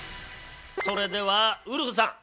それではウルフさん。